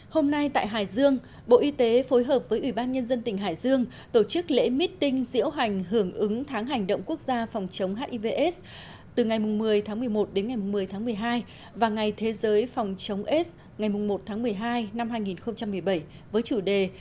hôm nay tại hải dương bộ y tế phối hợp với ủy ban nhân dân tỉnh hải dương tổ chức lễ meeting diễu hành hưởng ứng tháng hành động quốc gia phòng chống hiv aids từ ngày một mươi tháng một mươi một đến ngày một mươi tháng một mươi hai và ngày thế giới phòng chống s ngày một tháng một mươi hai năm hai nghìn một mươi bảy với chủ đề